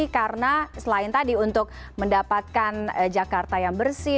karena selain tadi untuk mendapatkan jakarta yang bersih